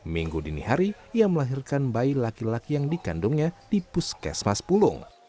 minggu dini hari ia melahirkan bayi laki laki yang dikandungnya di puskesmas pulung